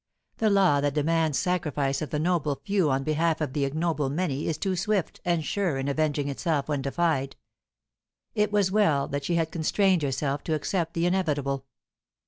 The law that demands sacrifice of the noble few on behalf of the ignoble many is too swift and sure in avenging itself when defied. It was well that she had constrained herself to accept the inevitable.